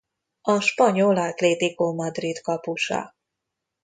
A spanyol Atlético Madrid kapusa.